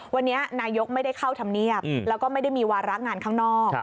วันนี้นายกไม่ได้เข้าธรรมเนียบแล้วก็ไม่ได้มีวาระงานข้างนอก